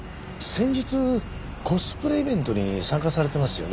先日コスプレイベントに参加されてますよね？